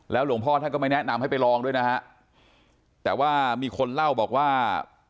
แล้วหลวงพ่อท่านก็ไม่แนะนำให้ไปลองด้วยนะฮะ